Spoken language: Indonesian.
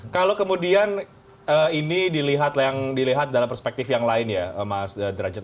kalau kemudian ini dilihat dalam perspektif yang lain ya mas derajat